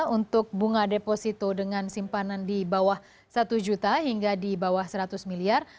untuk bunga deposito dengan simpanan di bawah satu juta hingga di bawah seratus miliar